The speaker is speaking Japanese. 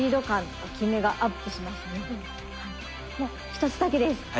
もう一つだけです。